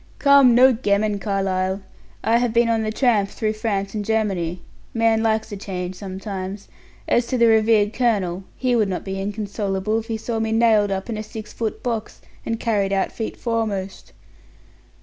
"Come, no gammon, Carlyle. I have been on the tramp through France and Germany. Man likes a change sometimes. As to the revered colonel, he would not be inconsolable if he saw me nailed up in a six foot box, and carried out feet foremost."